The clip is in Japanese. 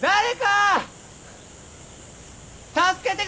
助けてくれー！